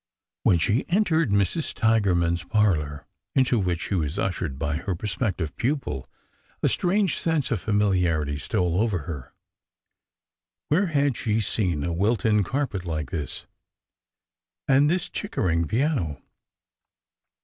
When she entered Mrs. Tigerman's parlor, into which she was ushered by her prospective pupil, a strange sense of familiarity stole over her. Where had she seen a Wil ton carpet like this? and this Chickering piano?